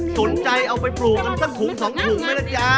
สนใจเอาไปปลูกกันสักถุงสองถุงไหมล่ะจ๊ะ